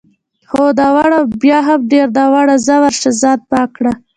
هو، ناوړه او بیا هم ډېر ناوړه، ځه ورشه ځان پاک کړه.